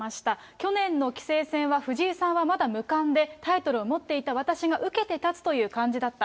去年の棋聖戦は藤井さんはまだ無冠で、タイトルを持っていた私が受けて立つという感じだった。